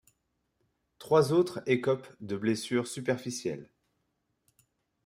Trois autres écopent de blessures superficielles.